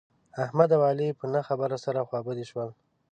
احمد او علي په نه خبره سره خوابدي شول.